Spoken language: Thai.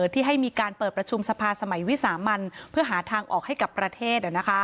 ที่ให้มีการเปิดประชุมสภาสมัยวิสามันเพื่อหาทางออกให้กับประเทศ